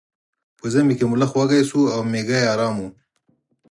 په ژمي کې ملخ وږی شو او میږی ارامه وه.